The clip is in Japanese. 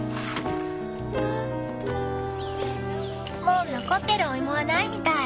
もう残ってるお芋はないみたい。